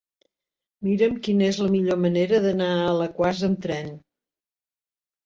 Mira'm quina és la millor manera d'anar a Alaquàs amb tren.